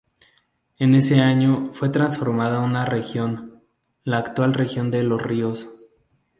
En ese año fue transformada en una región, la actual Región de Los Ríos.